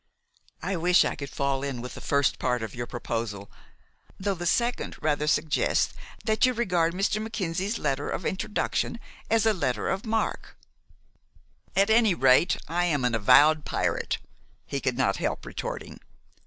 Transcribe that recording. "I wish I could fall in with the first part of your proposal, though the second rather suggests that you regard Mr. Mackenzie's letter of introduction as a letter of marque." "At any rate, I am an avowed pirate," he could not help retorting.